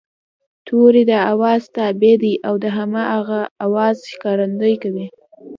توری د آواز تابع دی او د هماغه آواز ښکارندويي کوي